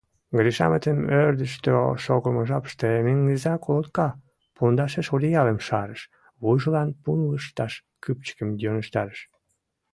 Гришамытын ӧрдыжтӧ шогымо жапыште Меҥыза колотка пундашеш одеялым шарыш, вуйжылан пун-лышташ кӱпчыкым йӧнештарыш.